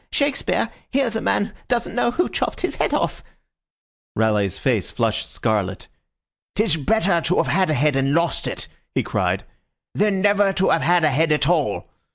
Shakespeare, here's a man doesn't know who chopped his head off." Raleigh's face flushed scarlet. "'Tis better to have had a head and lost it," he cried, "than never to have had a head at all!